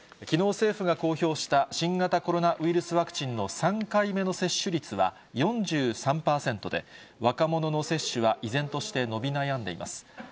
きのう、政府が公表した新型コロナウイルスワクチンの３回目の接種率は４３％で、若者の接種は依然として伸び悩んでいます。